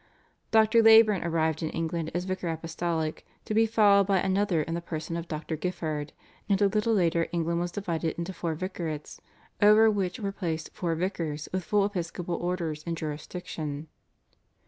Dr. Leyburn arrived in England as vicar apostolic, to be followed by another in the person of Dr. Giffard, and a little later England was divided into four vicarates, over which were placed four vicars with full episcopal orders and jurisdiction.